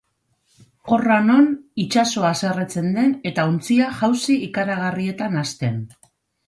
Horra non itsasoa haserretzen den eta ontzia jauzi ikaragarrietan hasten.